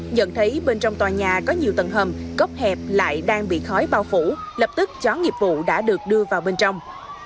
nhận thấy bên trong tòa nhà có nhiều tầng hầm cốc hẹp lại đang bị khói bao phủ lập tức chó nghiệp vụ đã được đưa vào bên trong